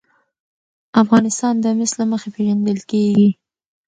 افغانستان د مس له مخې پېژندل کېږي.